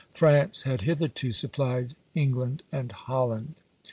France had hitherto supplied England and Holland.